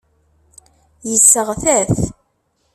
Yesseɣta-t.